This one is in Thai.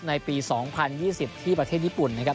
ในปี๒๐๒๐ที่ประเทศญี่ปุ่นนะครับ